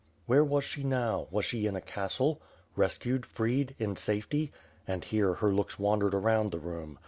"Where was she now? Was she in a castle? Rescued, freed, in safety?" and here, her looks wandered around the room.